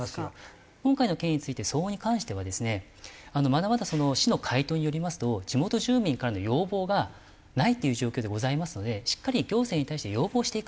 今回の件について騒音に関してはですねまだまだ市の回答によりますと地元住民からの要望がないっていう状況でございますのでしっかり行政に対して要望していくと。